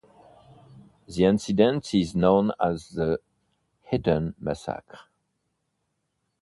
The incident is known as the Ehden massacre.